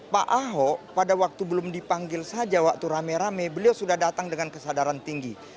pak ahok pada waktu belum dipanggil saja waktu rame rame beliau sudah datang dengan kesadaran tinggi